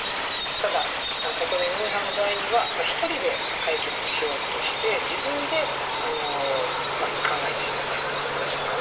ただ先ほどの井上さんの場合には一人で解決しようとして自分で考えてしまったりというところでしょうかね。